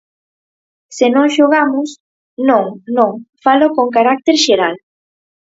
Se non xogamos... Non, non, falo con carácter xeral.